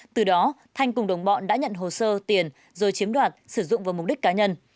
từ đó thanh cùng đồng bọn đã nhận hồ sơ tiền rồi chiếm đoạt sử dụng vào mục đích cá nhân